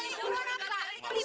beli bentar bentar